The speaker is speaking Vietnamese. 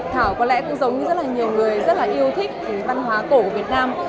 thảo có lẽ cũng giống như rất là nhiều người rất là yêu thích văn hóa cổ của việt nam